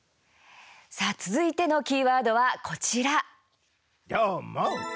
さあ続いてのキーワードは、こちら。